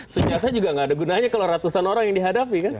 senjata juga nggak ada gunanya kalau ratusan orang yang dihadapi kan